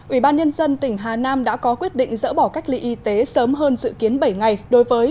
ủy ban nhân dân tỉnh hà nam đã có quyết định dỡ bỏ cách ly y tế sớm hơn dự kiến bảy ngày đối với